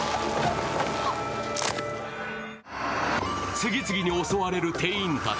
次々に襲われる店員たち。